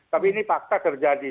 tapi ini fakta terjadi